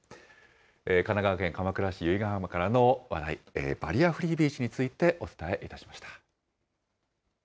神奈川県鎌倉市由比ガ浜からの話題、バリアフリービーチについてお伝えいたしました。